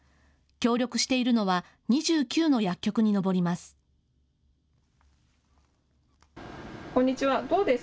協力しているのは２９の薬局に上ります。